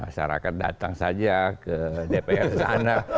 masyarakat datang saja ke dpr sana